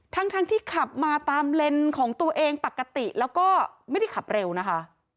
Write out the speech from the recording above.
ทั้งที่ขับมาตามเลนส์ของตัวเองปกติแล้วก็ไม่ได้ขับเร็วนะคะ